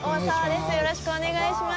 よろしくお願いします。